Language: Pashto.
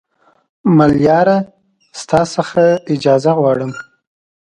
ملیاره تا نه اجازه غواړم